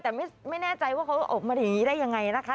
แต่ไม่แน่ใจว่าเขาออกมาอย่างนี้ได้ยังไงนะคะ